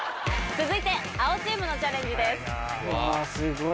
続いて青チームのチャレンジです。